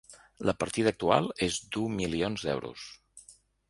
La partida actual és d’u milions euros.